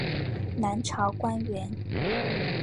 南朝官员。